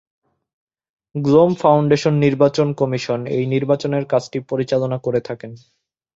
GNOME foundation নির্বাচন commission এই নির্বাচনের কাজটি পরিচালনা করে থাকেন।